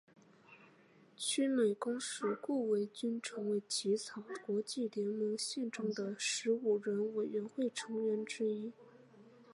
驻美公使顾维钧成为起草国际联盟宪章的十五人委员会成员之一。